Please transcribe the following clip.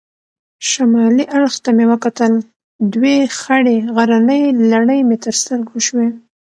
شمالي اړخ ته مې وکتل، دوې خړې غرنۍ لړۍ مې تر سترګو شوې.